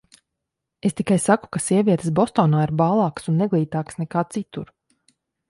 Es tikai saku, ka sievietes Bostonā ir bālākas un neglītākas nekā citur.